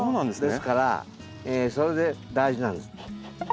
ですからそれで大事なんです。